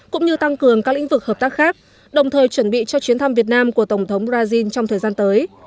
cũng như tăng cường các lĩnh vực hợp tác khác đồng thời chuẩn bị cho chuyến thăm việt nam của tổng thống brazil trong thời gian tới